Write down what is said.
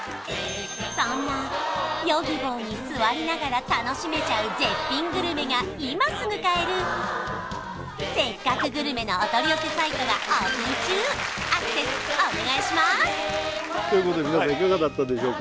そんなＹｏｇｉｂｏに座りながら楽しめちゃう絶品グルメが今すぐ買える「せっかくグルメ！！」のお取り寄せサイトがオープン中アクセスお願いします！ということで皆さんいかがだったでしょうか？